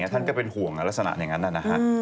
ท่านก็เป็นห่วงลัสนาอย่างนั้น